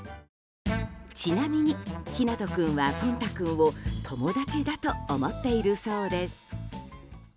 ちなみに、ひなと君はぽんた君を友達だと思っているそうです。